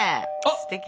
すてき。